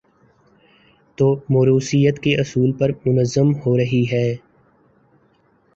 تو موروثیت کے اصول پر منظم ہو رہی ہیں۔